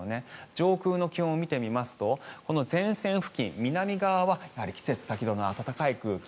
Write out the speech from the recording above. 上空の気温を見てみますと前線付近、南側はやはり季節先取りの暖かい空気。